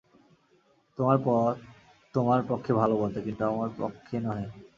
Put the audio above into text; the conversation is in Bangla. তোমার পথ তোমার পক্ষে ভাল বটে, কিন্তু আমার পক্ষে নহে।